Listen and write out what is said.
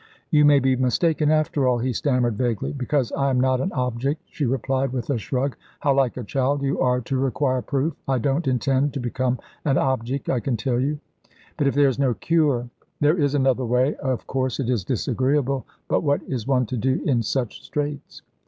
"You may be mistaken, after all," he stammered vaguely. "Because I am not an object," she replied, with a shrug. "How like a child you are to require proof! I don't intend to become an object, I can tell you." "But if there is no cure " "There is another way. Of course, it is disagreeable, but what is one to do in such straits?"